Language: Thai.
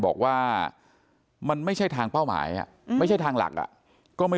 บอกว่ามันไม่ใช่ทางเป้าหมายไม่ใช่ทางหลักอ่ะก็ไม่